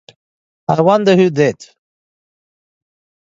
I wonder who did!